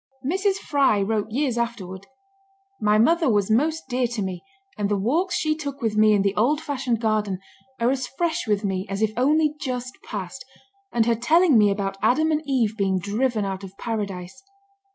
Mrs. Fry wrote years afterward: "My mother was most dear to me, and the walks she took with me in the old fashioned garden are as fresh with me as if only just passed, and her telling me about Adam and Eve being driven out of Paradise.